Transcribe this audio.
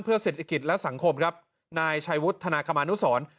เพื่อเศรษฐกิจและสังคมครับนายชายวุฒิธนากรรมนุษศร